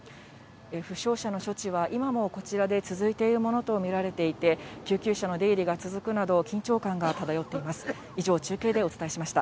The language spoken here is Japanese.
負傷者の処置は今もこちらで続いているものと見られていて、救急車の出入りが続くなど、緊張感が漂っています。